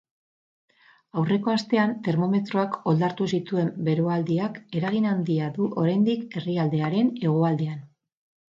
Aurreko astean termometroak oldartu zituen beroaldiak eragin handia du oraindik herrialdearen hegoaldean.